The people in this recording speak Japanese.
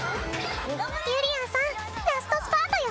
ゆりやんさんラストスパートよ。